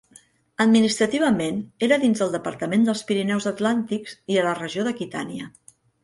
Administrativament era dins el departament dels Pirineus Atlàntics i a la regió d'Aquitània.